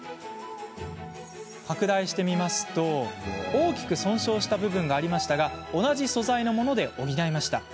拡大して見ると大きく損傷した部分がありましたが同じ素材のもので補いました。